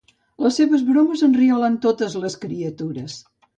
Les seves bromes enriolen totes les criatures.